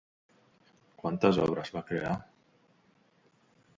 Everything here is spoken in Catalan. Quantes obres va crear?